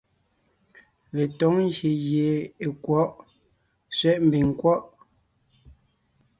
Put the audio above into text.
Letǒŋ ngyè gie è kwɔ̌ʼ ( sẅɛ̌ʼ mbiŋ nkwɔ́ʼ).